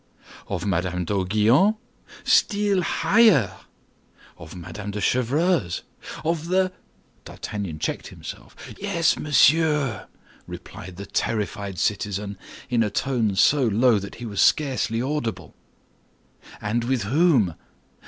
"Of Madame d'Aiguillon?" "Still higher." "Of Madame de Chevreuse?" "Higher, much higher." "Of the—" D'Artagnan checked himself. "Yes, monsieur," replied the terrified citizen, in a tone so low that he was scarcely audible. "And with whom?"